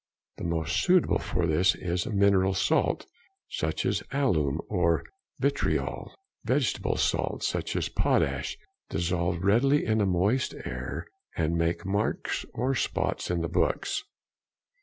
The most suitable for this is a mineral salt, such as alum or vitriol; vegetable salts, such as potash, dissolve readily in a moist air and make marks or spots in the books.